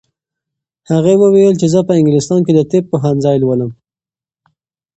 هغې وویل چې زه په انګلستان کې د طب پوهنځی لولم.